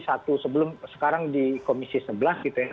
satu sebelum sekarang di komisi sebelas gitu ya